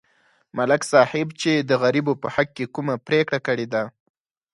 ملک صاحب چې د غریبو په حق کې کومه پرېکړه کړې ده